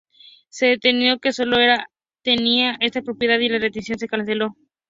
Se determinó que solo una aeronave tenía este problema, y la restricción se canceló.